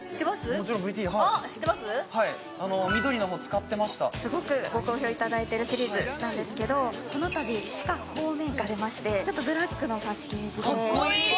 もちろんＶＴはいはい緑の方使ってましたすごくご好評いただいてるシリーズなんですけどこのたびシカフォーメンが出ましてちょっとブラックのパッケージでかっこいい！